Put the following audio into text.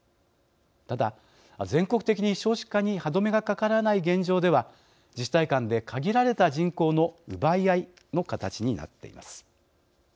ただ、全国的に少子化に歯止めがかからない現状では自治体間で、限られた人口の奪い合いの形になっています。